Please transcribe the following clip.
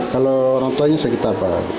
kalau orang tuanya sakit apa